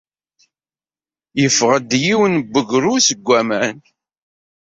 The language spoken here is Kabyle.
Yeffeɣ-d yiwen n wegru seg waman.